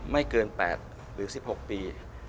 ไม่เกิน๘หรือ๑๖ปี